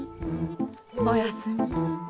おやすみ。